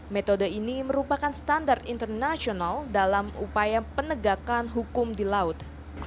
metode ini merupakan standar internasional dalam upaya penegakan hukum di laut